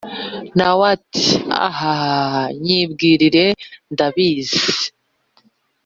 Nawe ati"ahaaa nyibwirire ndabizi